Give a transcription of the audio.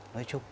nói chung là